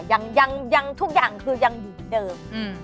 ยังทุกอย่างคือยังอยู่เดิม